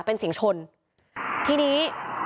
เป็นเสียงชนทีนี้